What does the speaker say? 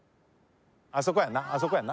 あそこやなあそこやな。